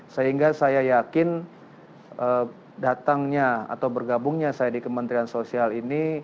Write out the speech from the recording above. sehingga saya yakin datangnya atau bergabungnya saya di kementerian sosial ini